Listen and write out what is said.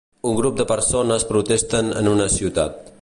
Un grup de persones protesten en una ciutat.